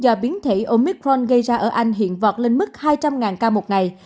do biến thể omicron gây ra ở anh hiện vọt lên mức hai trăm linh ca một ngày